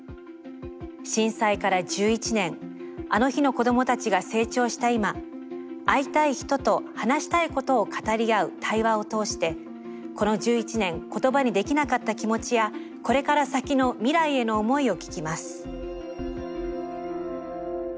震災から１１年「あの日」の子どもたちが成長した今「会いたい人」と「話したいこと」を語り合う「対話」を通してこの１１年言葉にできなかった気持ちやこれから先の未来への思いを聞きます。